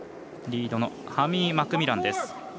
リードのハミー・マクミランです。